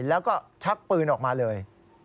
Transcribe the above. แล้วก็ชักปืนออกมาเลย